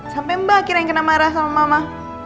sampai mbak akhirnya yang kena marah sama mama